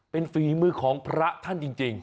เป็นฝีมือของพระท่านจริง